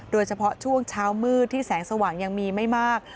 โดยเฉพาะช่วงเช้ามืดที่แสงสว่างยังมีไม่มาก